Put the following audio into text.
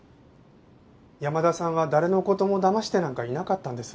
山田さんは誰の事も騙してなんかいなかったんです。